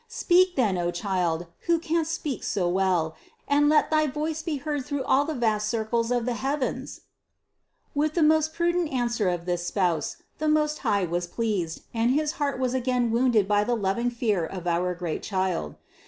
Speak then, O Child, who canst speak so well, and let thy voice be heard through all the vast circles of the heavens! THE CONCEPTION 313 396. With the most prudent answer of this Spouse the Most High was much pleased and his heart was again wounded by the loving fear of our great Child.